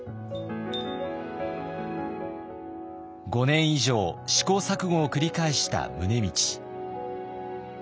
５年以上試行錯誤を繰り返した宗理。